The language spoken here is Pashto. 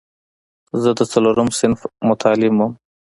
زه د څلورم صنف متعلم وم.